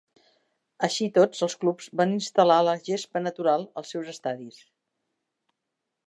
Així tots els clubs van instal·lar la gespa natural als seus estadis.